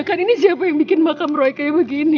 kan ini siapa yang bikin makam roy kayak begini